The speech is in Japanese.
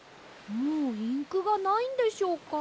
もうインクがないんでしょうか？